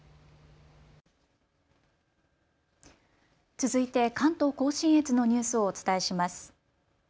続いて関東甲信越のニュースをお伝えします。